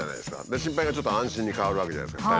で心配がちょっと安心に変わるわけじゃないですか。